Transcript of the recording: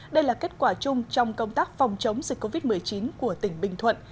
đây là kết quả chung trong công tác phòng chống dịch covid một mươi chín của tỉnh bình thuận